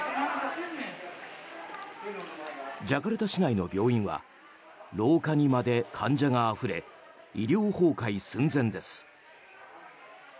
ジャカルタ市内の病院は廊下にまで患者があふれ医療崩壊寸前です。